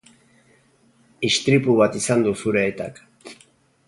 Isitripu bat izan du zure aitak.